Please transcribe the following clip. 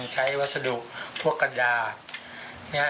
ใช้วัสดุพวกกระดาษ